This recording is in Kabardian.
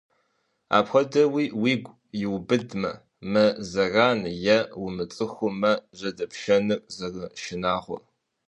Апхуэдэуи уигу иубыдэ, мэ зэран е умыцӀыху мэ жьэдэпшэныр зэрышынагъуэр.